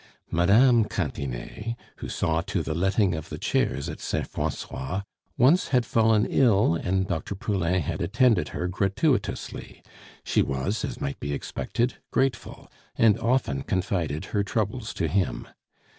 Mme. Cantinet, who saw to the letting of the chairs at Saint Francois, once had fallen ill and Dr. Poulain had attended her gratuitously; she was, as might be expected, grateful, and often confided her troubles to him.